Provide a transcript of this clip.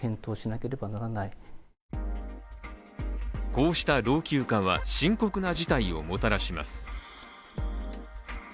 こうした老朽化は深刻な事態をもたらします。